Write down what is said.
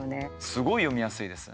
すごい読みやすいです。